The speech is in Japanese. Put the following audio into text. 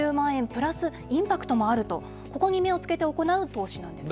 プラス、インパクトもあると、ここに目を付けて行う投資なんです。